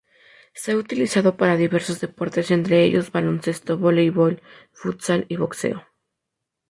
Se ha utilizado para diversos deportes entre ellos baloncesto, voleibol, futsal y boxeo.